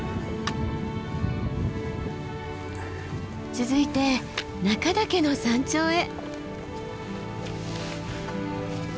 続いて中岳の山頂へ。